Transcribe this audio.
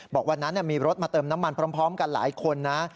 บอกวันนั้นมีรถมาเติมน้ำมันพร้อมกันหลายคนนะ